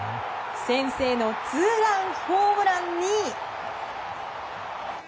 先制のツーランホームランに。